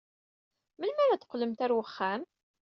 Melmi ara d-teqqlemt ɣer uxxam?